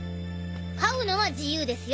飼うのは自由ですよ。